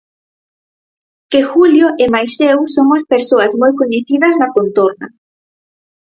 Que Júlio e máis eu somos persoas moi coñecidas na contorna.